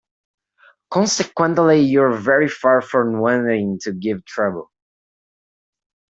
Consequently you're very far from wanting to give trouble.